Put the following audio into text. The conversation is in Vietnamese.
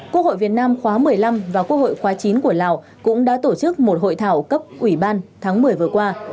quốc hội việt nam khóa một mươi năm và quốc hội khóa chín của lào cũng đã tổ chức một hội thảo cấp ủy ban tháng một mươi vừa qua